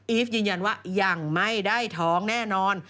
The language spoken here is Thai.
ีฟยืนยันว่ายังไม่ได้ท้องแน่นอน